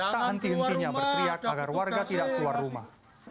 tak henti hentinya berteriak agar warga tidak keluar rumah